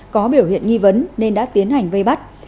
có biểu hiện nghi vấn nên đã tiến hành vây bắt